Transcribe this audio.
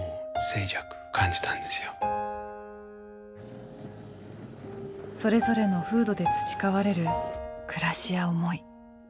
それぞれの風土で培われる暮らしや思い。